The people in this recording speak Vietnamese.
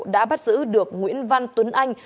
đã bắt giữ được nguyễn văn tuấn anh